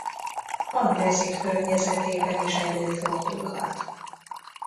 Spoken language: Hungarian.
Andezit környezetében is előfordulhat.